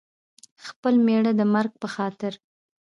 د خپل مېړه د مرګ په خاطر.